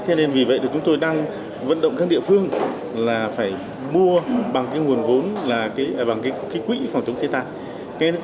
thế nên vì vậy thì chúng tôi đang vận động các địa phương là phải mua bằng cái nguồn vốn là bằng cái quỹ phòng chống thiên tai